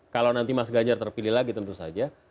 kalau nanti mas ganjar terpilih lagi tentu saja